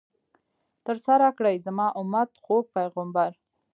ترسره کړئ، زما امت ، خوږ پیغمبر